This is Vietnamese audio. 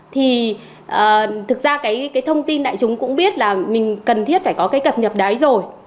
thì thực ra cái thông tin đại chúng cũng biết là mình cần thiết phải có cái cập nhật đấy rồi